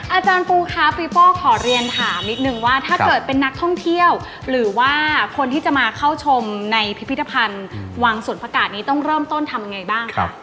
อาจารย์ปูคะปีโป้ขอเรียนถามนิดนึงว่าถ้าเกิดเป็นนักท่องเที่ยวหรือว่าคนที่จะมาเข้าชมในพิพิธภัณฑ์วังสวนพระกาศนี้ต้องเริ่มต้นทำยังไงบ้างครับ